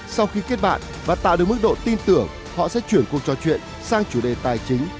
sau khi kết bạn và tạo được mức độ tin tưởng họ sẽ chuyển cuộc trò chuyện sang chủ đề tài chính